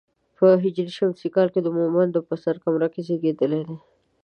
په هـ ش کال د مومندو په سره کمره کې زېږېدلی دی.